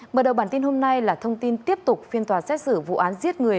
mở đầu bản tin hôm nay là thông tin tiếp tục phiên tòa xét xử vụ án giết người